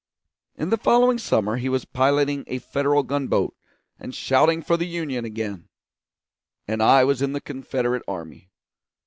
In the following summer he was piloting a Federal gun boat and shouting for the Union again, and I was in the Confederate army.